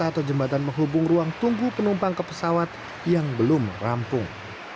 atau jembatan menghubung ruang tunggu penumpang ke pesawat yang belum rampung